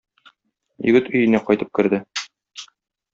Егет өенә кайтып керде.